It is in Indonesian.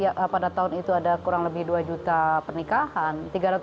ya pada tahun itu ada kurang lebih dua juta pernikahan